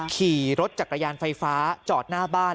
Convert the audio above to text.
ขี่รถจักรยานไฟฟ้าจอดหน้าบ้าน